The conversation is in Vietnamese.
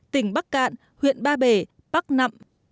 tỉnh bắc cạn huyện ba bể bắc nậm